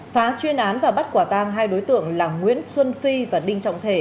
phá chuyên án và bắt quả tang hai đối tượng là nguyễn xuân phi và đinh trọng thể